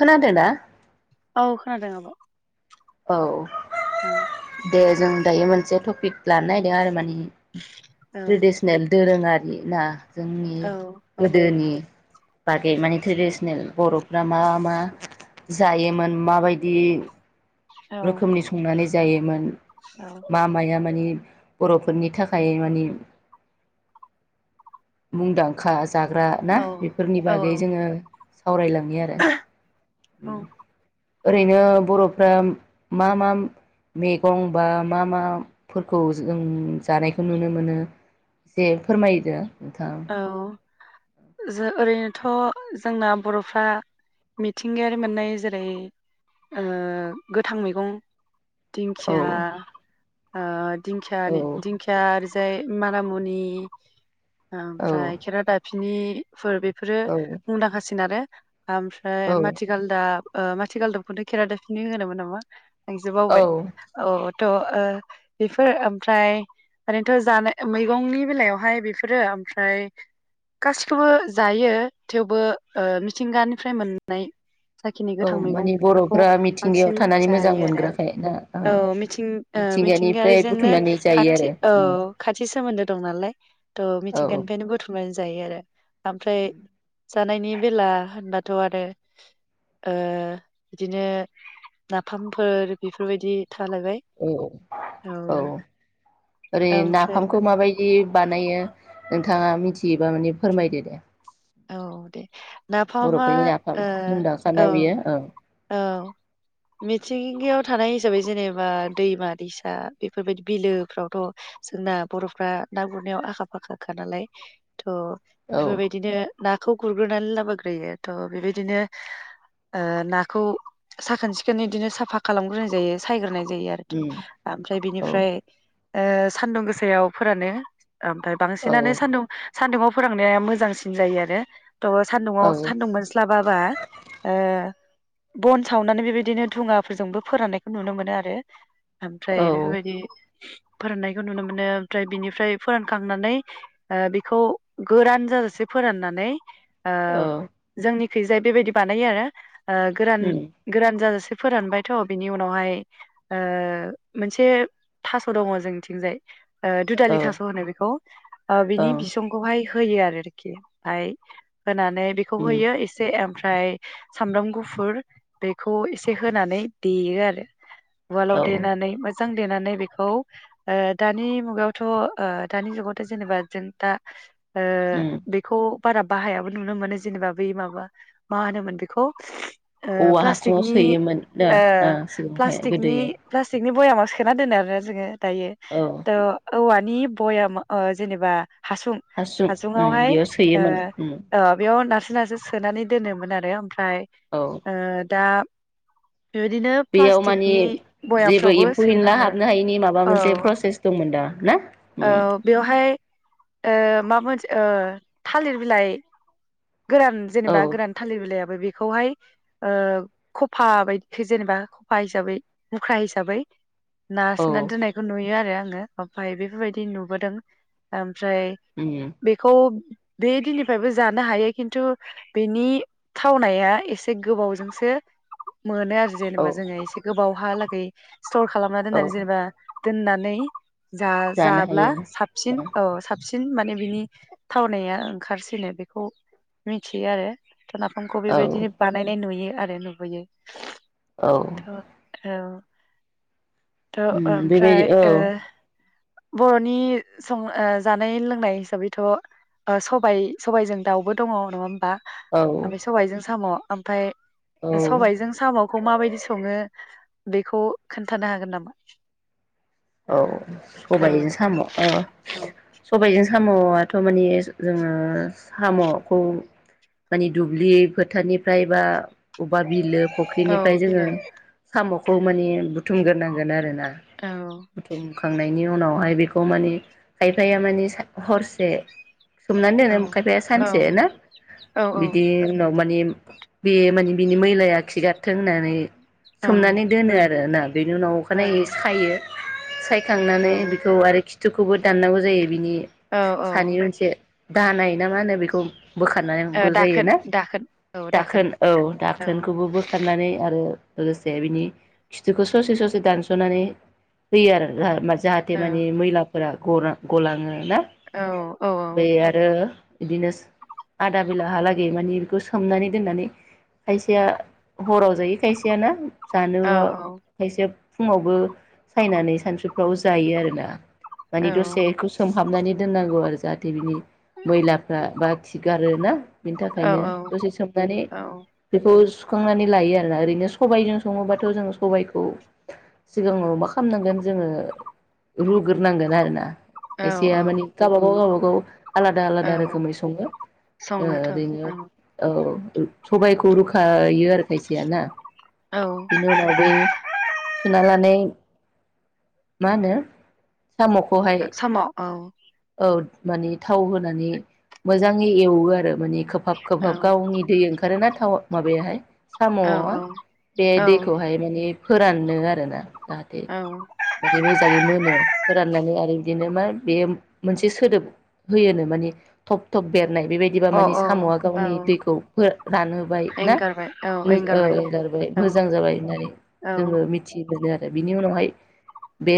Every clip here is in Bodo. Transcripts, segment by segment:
खोनादों दा? औ खोनादों आब'। औ दे जों। दायो मोनसे टपिक लानो नागिरदों आरो माने। ट्रेडिसनेल दोरोङारि। [inaudible] जोंनि औ औ गोदोनि बागै माने ट्रेडिसनेल बर'फ्रा मा मा जायोमोन माबायदि औ रोखोमनि संनानै जायोमोन मा माया माने बर'फोरनि थाखाय मानि मुंदांखा। जाग्रा ना बेफोरनि औ बागै जोङो सावरायलांनि आरो। औ ओरैनो बर'फोरा मा मा मैगं बा मा माफोरखौ जों जानायखौ नुनो मोनो जे फोरमायदो। नोंथां औ। जो ओरैनोथ' जोंना बरफ्रा मिथिंगायारि मोननाय जेरै ओ गोथां मैगं औ दिंखिया आ दिंखिया औ दिंखिया मारामुनि औ ओमफ्राय खेरादा फिनिफोर बे फोरो औ मुंदांखासिन आरो। ओमफ्राय औ माथिगालदाब माथि गालदाबखौनो खेरा दाबफिनि होनोमोन नामा? आं औ बावबाय औ। थ ओ बेफोर ओमफ्राय ओरैनोथ' जानाय मैगंनि बेलायावहाय बेफोरो ओमफ्राय गासिखौबो जायो थेवबो ओ मिथिंगानिफ्राय मोननाय जाखिनि औ गोथां मैगं माने बेफोरखौ बर'फ्रा मिथिंगायाव बांसिन थानानै मोजां जायो आरो मोनग्राखाय ना ओ औ मिथिं ओ मिथिंगानिफ्राय मिथिंगायारिजोंनो बुथुमनानै जायो खाथि आरो औ उम खाथि सोमोन्दो दं नालाय थ औ सिगांनिफ्रायनो बुथुमनानै जा जायो आरो ओमफ्राय जानायनि बेला होनबाथ' आरो ओ बिदिनो नाफामफोर बेफोरबायदि थालायबाय औ औ ओरै ओमफ्राय नाफामखौ माबायदि बानायो नोंथाङा मिथियोबा माने फोरमायदो दे। औ दे नाफामा बर'फोरनि नाफाम ओ मुंदांखा ना बियो औ। औ मिथिंगायाव थानाय हिसाबै जेनेबा दैमा दैसा बेफोरबायदि बिलोफ्रावथ' जोंना बर'फोरा ना गुरनायाव आखा फाखा खा नालाय। थ औ बेफोरबायदिनो नाखौ गुरग्रोनानै लाबोग्रोयो थ बेबायदिनो ओ ना खौ साखोन सिखोन बिदिनो साफा खालामग्रोनाय जायो सायग्रोनाय जायो आरोखि उम ओमफ्राय औ बिनिफ्राय ओ सान्दुं गोसायाव फोरानो। ओमफ्राय औ बांसिनानो सान्दुं सान्दुुंआव फोराननाया मोजांसिन जायो आरो। थ औ सान्दुंआव सान्दुं मोनस्लाबाबा ओ बन सावनानै बेबायदिनो धुङाफोरजोंबो फोराननायखौ नुनो मोनो आरो। ओमफ्राय औ उम बेफोरबायदि फोराननायखौ नुनो मोनो ओमफ्राय बिनिफ्राय फोरानखांनानै ओ बेखौ गोरान जाजासे फोराननानै ओ औ जोंनि खैजाय बेबायदि बानायो आरो ओ गोरान गोरान जाजासे फोरानबायथ' बिनि उनावहाय ओ मोनसे थास' दङ जोंथिंजाय ओ धुदालि थास' होनो बेखौ ओ बिनि ओं बिसंखौहाय होयो आरोरखि [unintelligible] फाय होनानै बेखौ उम होयो एसे ओमफ्र फ्राय सामब्राम गुफु फुर बेखौ एसे होनानै देयो आरो उवालाव औ देनानै मोजां देनानै बेखौ ओ दानि मुगायावथ' ओ दानि जुगावथ' जेनेबा जों दा ओ उम बेखौ बारा बाहायाबो नुनो मोनो जेनेबा बै माबा मा होनोमोन बेखौ ओ औवा हासुङाव प्लास्टिकनि सोयोमोन दा ओ सिगाङावहाय गोदोयो। नि बयामाव सोना दोनो आरोना जोङो। दायो औ त औवानि बयाम ओ जेनेबा हासुं हासुं उम हासुुंआवहाय बेयाव ओ सोयोमोन उम ओ बेयाव नारस [unintelligible] सो सोनानै दोनोमोन आरो ओमफ्राय औ ओ दा बेबायदिनो बेयाव मानि प्लास्टिकनि जेबो भयामफ्रावबो एम्फौ सोयो एनला नामा हाबनो हायैनि माबा औ मोनसे प्रसेस दंमोन दा ना उम औ बेवहाय ओ मा मोन ओ थालिर बिलाइ गोरान औ जेनेबा गोरान थालिर बिलायाव [unintelligible] बेखौहाय ओ खफा बायद जेनेबा खफा हिसाबै मुख्रा हिसाबै ना औ सोनानै दोननायखौ नुय [unintelligible] आरो आङो ओफाय बे बेफोरबायदि नुबोदों ओम फ्राय उम बेखौ बे दिननिफ्रायबो जानो हायो खिन्थु बिनि थावनाया एसे गोबावजोंसो मोनो आरो औ जेनेबा जोंङो एसे गोबाव हालागै स्टर खालामना औ दोननाय जेनेबा दोननानै जा जानो जाब्ला हायो साबसिन ओ औ साब सिन माने बिनि थावनाया ओंखारसिनो बेखौ मिथियो आरो। थ' नाफामखौ औ बेबायदिनो बानायनाय नुयो। आरो नुबोयो औ [unintelligible] औ थ' उम बेबायदि ओमफ्राय ओ औ बर'नि सं ओ जानाय लोंनाय हिसाबैथ' ओ सबाइ सबाइजों दाउबो दङ' नङा होमबा। औ ओमफाय सबाइजों साम' ओमफाय ओ औ सबाइजों साम' खौ माबायदि सङो बेखौ खोन्थानो हागोन नामा? औ औ सबाइजों साम' ओ औ सबाइजों साम'आथ' माने जोङो साम'खौ माने दुब्लि फोथारनिफ्राय बा अबबा बिलो औ फख्रिनिफ्राय जोङो बिलो साम'खौ माने बु थुमगोरनांगोन आरोना औ थुम खांनायनि उनावहाय बेखौ माने खायफाया माने सा हरसे। सोमनानै औ दोनो खायफाया औ सानसे ना औ बिदि उनाव मानि बे माने औ सोमनानै दोनो आरोना। बेनिउनाव अखानायै सायो औ खांनानै बेखौ आरो खि थुखौबो दाननांगौ जायो। बिनि औ सानि औ मोनसे दानाय ना मा होनो बेखौ बोखारनायबो ओ दाखोन जायोना दाखोन औ दाखोन औ औ दाखोनखौबो बोखारनानै आरो लोगोसे बिनि खिथुखौ ससे ससे दानस'नानै होयो आरो [unintelligible] जाहाथे औ माने मैलाफोरा गरा गलाङो। ना औ औ बे आरो। बिदिनो आदा बेलाहालागै मानि बेखौ सोमनानै दोननानै खायसेया हराव जायो खायसेया ना? औ जानबो खायसे। फुङावबो। सायनानै सानसुफ्राव जायो आरोना। माने दसेखौ सोम। हाबनानै दोननांगौ आरो जाहाथे बिनि। मैलाफ्रा बा। खिगारो आरो ना? बिनि थाखायनो दसे सोमनानै औ बेखौ सुखांनानै लायो आरोना ओरैनो सबाइजों सङोबाथ' जों सबबायखौ सिगाङाव माख खालामनांगोन जोङो रुग्रोनांगोन आरोना। औ औ खायसेया औ मानि गाबा गाव गावाबागाव। औ। आलादा आलादा रोखोमै सङो सङोथ' ओ-ओरैनो औ औ। सबायखौ रुखायो आरो खायसेआ ना? औ बेनि उनाव बै। सुना लानाय मा होनो? साम'खौहाय। साम' औ औ। औ माने थाव होनानै मोजाङै एवो आरो माने। खोबहाब औ खोबहाब गावनि दै ओंखारो ना [unintelligible] माबायाहाय। साम'आ औ बे औ दैखौहाय माने फोराननो आरो ना। जाहाथे अ माने मोजाङै मोनो। फोराननानै आरो बिदिनो मा बेयो। मोनसे सोदोब होयोनो माने थब थब बेर नाय बेबायदिबा औ मानिे साम'आ औ गावनि दैखौ रानहोबाय ना एंगारबाय औ एंगारबाय ओ-गारबाय औ मोजां जाबाय होननानै औ जोङो मिथि मोन आरो। आरो बिनि उनावहाय बे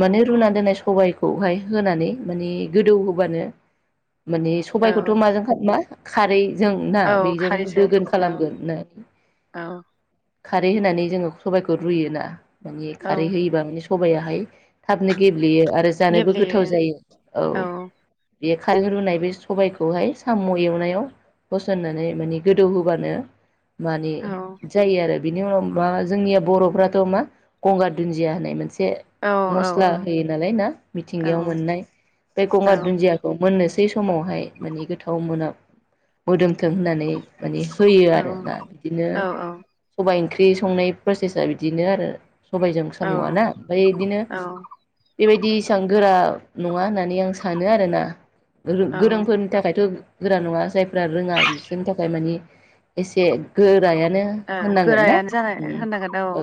माने रुनानै दोननाय सबायखौहाय होनानै माने गोदौ होबानो माने औ सबायाइखौथ' माजों मा खारै। ना औ बेजों खारैजों दोगोन औ खालामगोन नो औ खारै होनानै जोङो सबायखौ रुयोना? माने औ खारै होयोबा सबायाहाय थाबनो गेब ब्लेयो आरो जानोबो गेब्लेयो गोथाव जायो। औ बे खारै रुनाय बे सबायखौहाय साम' एवनायाव होसननानै माने गोदौ होबानो मानि औ जायो आरो। बिनि उनाव मा जोंनिया बर'फ्राथ' मा गंगार दुन्दिया होननाय मोनसे से औ मस्ला होयो नालाय ना औ मिथिंगायाव मोननाय? बे औ गंगार दुन्दियाखौ मोन नोसै समावहाय माने गोथाव मोनाम मोदोमथों होननानै माने होयो औ आरो ना बिदिनो औ सबाइ ओंख्रि संनाय प्रसेसा बिदिनो आरो। सबायाइजों साम'वाना ओमफाय बिदिनो औ बेबायदि एसां गोरा नङा होननानै आं सानो आरोना। गोरों गोरोंफोरनि थाखायथ' गोरा नङा जायफ्रा रोङा बिसोरनि थाखाय मानि एसे गोरायानो नो‌ ओ होननांगोन ना गोरायानो जानाय उम होननांगोन औ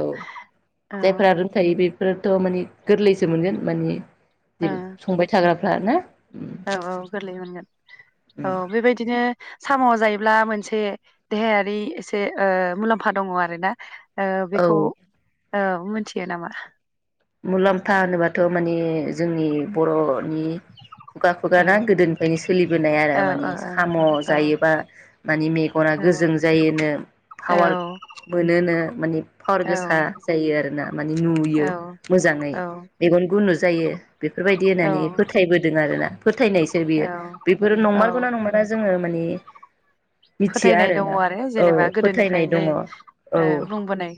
औ जायफोरा रोंखायो बे फोरथ' मानि गोरलैसो मोनगोन माने ओ ग्राफ्रा ना? उम औ औ गोरलै मोनगोन उम औ बेबायदिनो साम' जायोब्ला मोनसे देहायारि एसे ओ मुलाम्फा दङ आरोना ओ औ बेखौ औ मिथियो नामा? मुलाम्फा होनोबाथ' माने जोंनि बर' मानि खुगा औ खुगाना गोदोनिफ्रायनो सोलिबोनाय आरो औ माने औ साम' औ जायोबा मानि मेगना औ गोजों जायोनो पावार मोनोनो माने पावार औ गोसा जायो आरो ना माने औ नुयो। मोजाङै मेगन गुन गुनु जायो। बेफोरबायदि औ होननानै फोथायबोदों आरोना। फोथायनायसो बियो बेफोरो औ नंमारगौ ना नंमारा जोङो माने मिथिया फोथायनाय दङ आरोना आरो औ जेनेबा फोथायनाय दङ गोदोनिफ्रायनो औ बुंबोनाय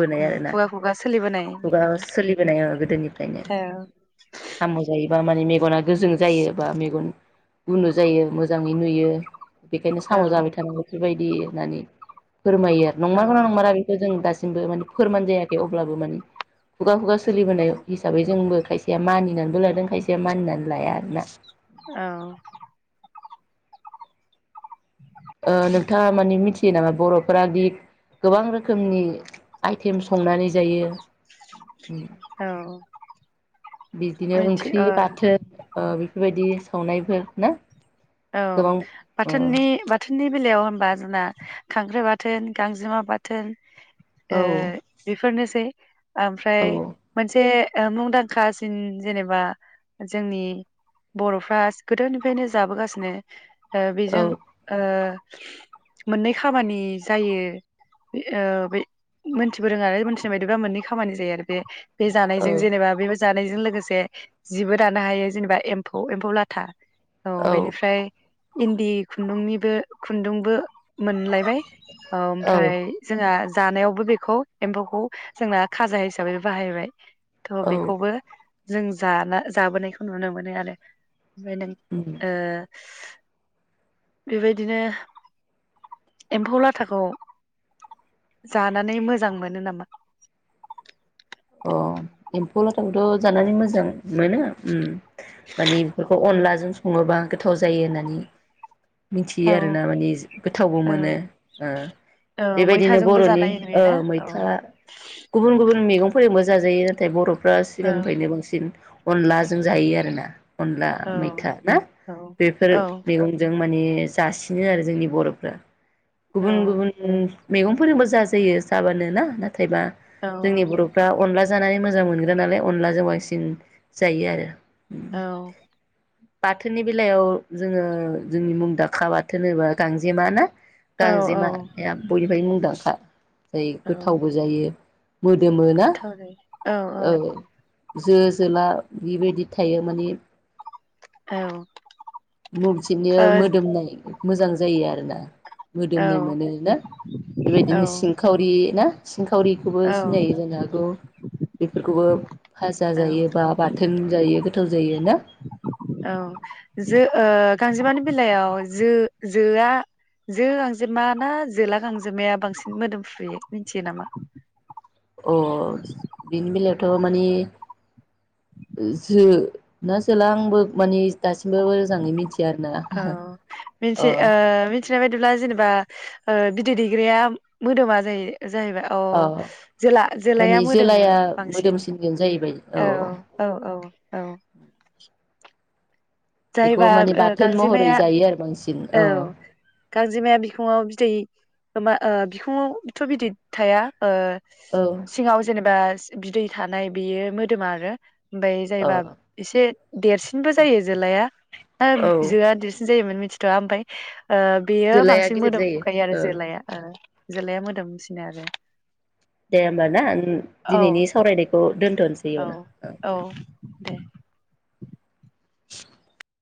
खुगा खुगा सोलिबोनाय ओ सोलिबोनाय ओ गोदोनिफ्रायनो साम' जायो बा माने मेगना गोजों जायो बा मेगन गुनु जायो मोजाङै नुयो बेखायनो औ साम' जाबाय थानांगौ बेबायदि नानि फोरमायो आरो औ नंमारगौ ना नंमारा बेखौ जों दासि जोंबो माने फोरमान जायाखै अब्लाबो माने खुगा खुगा सोलिबोनाय हिसाबै जोंबो खायसेया मानिनानैबो लादों खायसेया मानिनानै लाया आरोना औ ओ नोंथाङा माने मिथियो नामा बर'फोरा दि गोबां रोखोमनि आइटेम संनानै जायो औ बिदिनो मिथि ओंख्रि ओ बाथोन ओ बेफोरबायदि संनायफोर ना औ गोबां बाथोननि बाथोननि बेलायाव होनबा जोंना खांख्राइ बाथोन गांजेमा बाथोन ओ बेफोरनोसै। ओमफ्राय औ मोनसे ओ मुंदांखासिन जेनेबा जोंनि बर'फ्रा गोदोनिफ्रायनो जाबोगासिनो नो ओ औ बेजों ओ मोननै खामानि जायो बे मोनथिबो रोङा आरो मोनथिनाय बायदिबा मोननै खामानि जायो आरो बे बे जानायजों जेनेबा बे जानायजों लोगोसे जिबो दानो हायो जेनेबा एम्फौ एम्फौ लाथा औ बेनि इन्दि खुन्दुंनिबो खुन्दुंबो मोनलायबाय औ ओमफ्राय जोंहा जानायावबो बेखौ एम्फौखौ जोंना खाजा हिसाबै बाहायबाय थ' औ बेखौबो जों जाना जाबोनायखौ नुनो मोनो आरो ओमफ्राय नों उम ओ बेबायदिनो एम्फौ लाथाखौ जानानै मोजां मोनो नामा अ एम्फौ लाथाखौथ' जानानै मोजां मोनो माने बेफोरखौ अनलाजों सङोबा गोथाव जायो नानै मिथियो आरो औ ना मानि गोथावबो औ मोनो ओ औ बेबायदिनो मैथाजोंबो बर'नि जानाय अ नुयोना औ मैथा गुबुन गुबुन मेगं फोरजोंबो जाजायो नाथाय बर' फ्रा औ सिगांनिफ्रायनो बांसिन अनलाजों जायो आरो ना अनला औ मैथा ना औ बेफोर औ मैगंजों माने जासिनो आरो जोंनि बर'फ्रा गुबुन गुबुन मेगंफोरजोंबो जाजायो जाबानो ना ना थायबा औ जोंनि बर' अनला जानानै मोजां मोनग्रा नालाय अनलाजों बांसिन जायो आरो [inaudible] बाथोननि बेलायाव जोङो जोंनि मुंदांखा बाथोन होनोबा गांजेमा ना औ गांजेमाया बयनिफ्राय मुंदांखा जायो औ गोथावबो जायो मोदोमो औ औ जो जोला बिबायदि थायो माने औ मथिनो मोदोमनाय मोजां जायो आरोना मोदोमनाय ओ मोनो ना औ बेबायदिनो सिंखावरि ना सिंखावरिखौबो औ सिनायो जानो हागौ बेफोरखौबो फाजा औ जायोबा बाथोन जायो। गोथाव जायो ना औ जो ओ गांजेमानि बेलायाव जो-जोआ जो गांजेमा ना जोला गांजेमाया बांसिन मोदोमफ्रुयो मिथियो नामा? अ बिनि बेलायावथ' माने जो ना जोला आंबो माने दासिमबो मोजाङै मिथिया आरोना औ अ मोनसे ओ मिथिनाय बायदिब्ला जेनेबा अ बिदै दैग्राया मोदोमा जायो जाहैबाय औ अ जोला-जोलाया माने मोदोमो जोलाया बांसिन मोदोमसिनगोन जाहैबाय औ औ औ औ बेखौ जायबा माने ओ बाथोन महरै गांजेमाया जायो आरो बांसिन औ गांजेमाया बिखङाव बिदै होमबा ओ बिखुंआवथ' बिदैै थाया ओ औ सिङाव जेनेबा बिदै थानाय बेयो मोदोमा आरो ओमफ्राय औ जायबा एसे देरसिनबो जायो। जोलाया ओ औ जोआ देरसिन जायोमोन मि थुआ ओमफाय। ओ बेयो जोलाया बांसिन गिदिर मोदोम जायो फुखायो आरो औ जोलाया ओ जोलाया मोदोमसिनो आरो दे होमब ना उम औ दिनैनि सावरायनायखौ दोनथनोसै औ अ औ दे [inaudible]